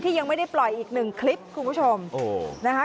ยังไม่ได้ปล่อยอีกหนึ่งคลิปคุณผู้ชมนะคะ